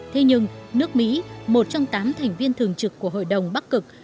thế nhưng nước mỹ một trong tám thành viên thường trực của hội đồng bắc cực